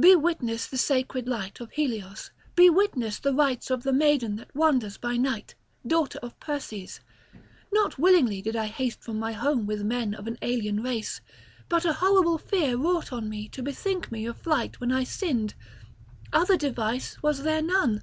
Be witness the sacred light of Helios, be witness the rites of the maiden that wanders by night, daughter of Perses. Not willingly did I haste from my home with men of an alien race; but a horrible fear wrought on me to bethink me of flight when I sinned; other device was there none.